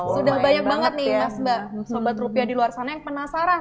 sudah banyak banget nih mas mbak sobat rupiah di luar sana yang penasaran